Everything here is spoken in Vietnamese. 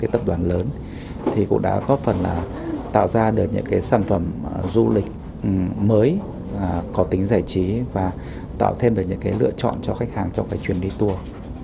các tập đoàn lớn thì cũng đã góp phần là tạo ra được những sản phẩm du lịch mới có tính giải trí và tạo thêm được những lựa chọn cho khách hàng trong cái chuyến đi tour